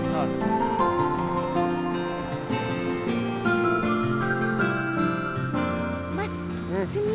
mas masinian dong